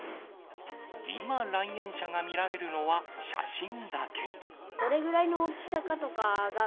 今、来園者が見られるのは写真だけ。